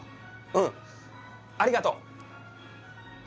うんありがとう。